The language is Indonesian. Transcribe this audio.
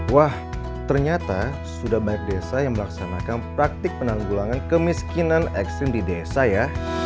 wah ternyata sudah banyak desa yang melaksanakan praktik penanggulangan kemiskinan ekstrim di desa ya